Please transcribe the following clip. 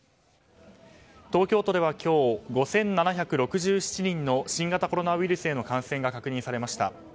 東京都では今日、５７６７人の新型コロナウイルスへの感染が確認されました。